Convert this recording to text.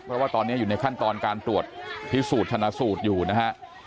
เพราะว่าตอนนี้อยู่ในขั้นตอนการตรวจพิสูจน์ชนะสูตรอยู่นะฮะ